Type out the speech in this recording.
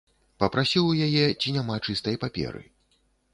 Папрасіў у яе, ці няма чыстай паперы.